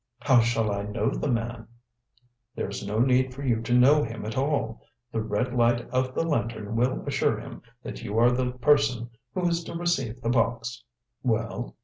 "How shall I know the man?" "There is no need for you to know him at all. The red light of the lantern will assure him that you are the person who is to receive the box. Well?"